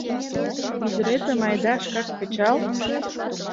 Ӱдыретым, айда, шкак кычал!..